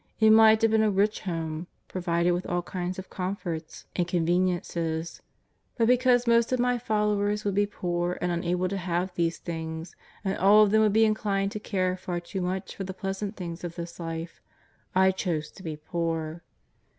It might have been a rich home, provided with all kinds of comforts and 90 JESUS OF NAZAEETH. conveniences. But because most of Mj followers wonkl be poor and unable to have these things, and all of them would be inclined to care far too much for the pleasant things of this life, I chose to be poor.